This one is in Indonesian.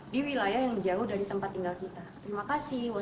di wilayah yang jauh dari tempat tinggal kita